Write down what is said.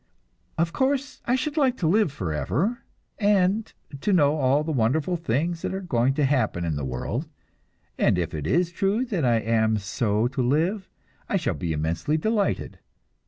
Of course, I should like to live forever, and to know all the wonderful things that are going to happen in the world, and if it is true that I am so to live, I shall be immensely delighted.